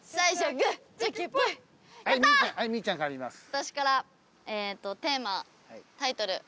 私からテーマタイトル